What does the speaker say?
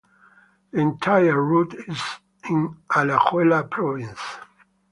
The entire route is in Alajuela province.